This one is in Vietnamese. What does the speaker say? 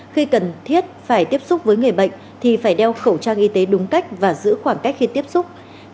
khi cần thiết phải tiếp xúc với người bệnh thì phải đeo khẩu trang y tế đúng cách và giữ khoảng cách khi tiếp xúc